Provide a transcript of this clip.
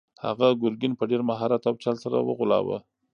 هغه ګرګین په ډېر مهارت او چل سره وغولاوه.